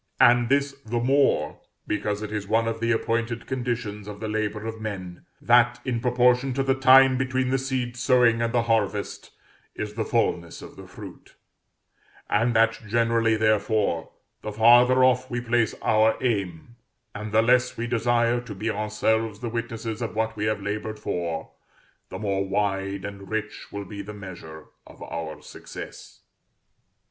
And this the more, because it is one of the appointed conditions of the labor of men that, in proportion to the time between the seed sowing and the harvest, is the fulness of the fruit; and that generally, therefore, the farther off we place our aim, and the less we desire to be ourselves the witnesses of what we have labored for, the more wide and rich will be the measure of our success.